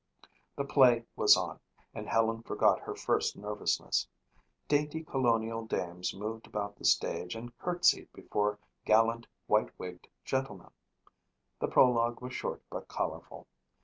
The play was on and Helen forgot her first nervousness. Dainty colonial dames moved about the stage and curtsied before gallant white wigged gentlemen. The prologue was short but colorful.